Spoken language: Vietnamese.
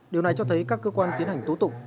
điều này cho thấy các cơ quan tiến hành tố tụng